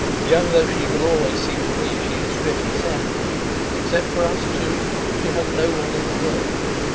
Young though she will always seem to me, she is fifty seven. Except for us two she has no one in the world.